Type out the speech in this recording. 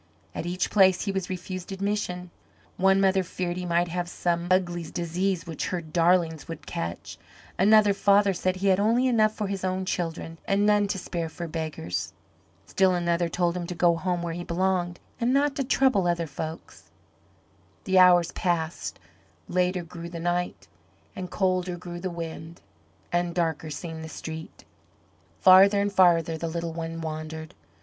At each place he was refused admission. One mother feared he might have some ugly disease which her darlings would catch; another father said he had only enough for his own children and none to spare for beggars. Still another told him to go home where he belonged, and not to trouble other folks. The hours passed; later grew the night, and colder grew the wind, and darker seemed the street. Farther and farther the little one wandered.